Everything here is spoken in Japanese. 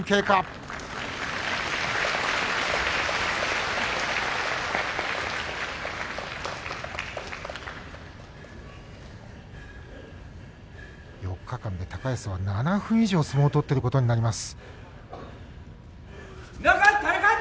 拍手４日間で高安は７分以上相撲を取っているということになります。